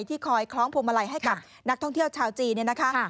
ที่คอยคล้องพวงมาลัยให้กับนักท่องเที่ยวชาวจีนเนี่ยนะคะ